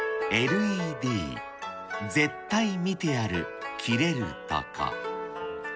ＬＥＤ絶対見てやる切れるとこ。